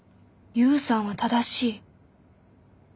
勇さんは正しい。